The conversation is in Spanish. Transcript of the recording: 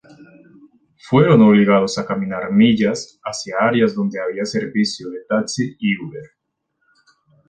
Fueron obligados a caminar millas hacia áreas donde había servicio de taxi y Uber.